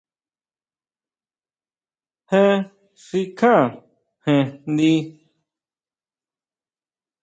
Jé xikjá jen njdi.